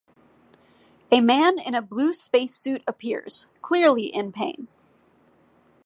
A man in a blue space suit appears, clearly in pain.